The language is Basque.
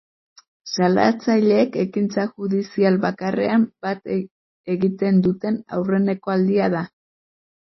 Salatzaileek ekintza judizial bakarrean bat egiten duten aurreneko aldia da.